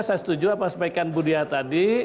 saya setuju apa yang sampaikan budiha tadi